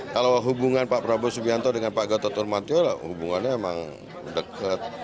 kalau hubungan pak prabowo subianto dengan pak gatot nurmantio hubungannya emang deket